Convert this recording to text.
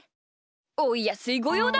おやすいごようだ！